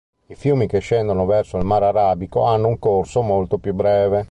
I fiumi che scendono verso il mar Arabico hanno un corso molto più breve.